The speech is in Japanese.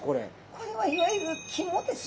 これはいわゆる肝ですね。